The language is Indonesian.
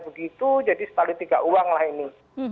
begitu jadi sekali tiga uang lah ini